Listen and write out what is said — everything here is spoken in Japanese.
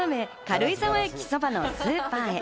軽井沢駅そばのスーパーへ。